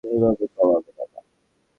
এইভাবে কামাবে টাকা?